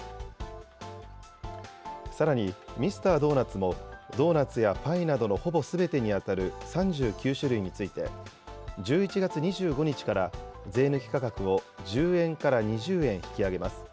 さらに、ミスタードーナツもドーナツやパイなどのほぼすべてに当たる３９種類について、１１月２５日から、税抜き価格を１０円から２０円引き上げます。